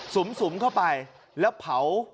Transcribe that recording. สุ่มสุ่มเข้าไปแล้วเผา